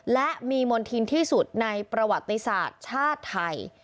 และมีมณฑินที่สุดในประวัติศาสตร์ชาติไทย